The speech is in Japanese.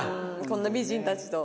こんな美人たちと。